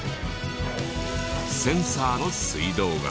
センサーの水道が。